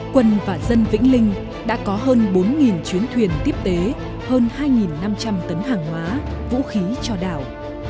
quân và dân vĩnh linh đã có hơn bốn chuyến thuyền tiếp tế hơn hai năm trăm linh tấn hàng hóa vũ khí cho đảo